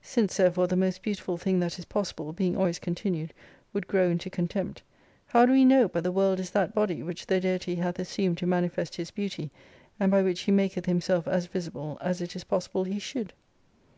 Since therefore the most beautiful thing that is possible, being always continued, would grow into contempt ; how do we know, but the world is that body, which the Deity hath assumed to manifest His Beauty and by which He maketh Himself as visible, as it is possible He should